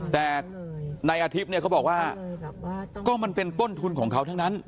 แต่ในอาทิตย์เนี่ยเขาบอกว่าก็มันเป็นต้นทุนของเขาทั้งนั้น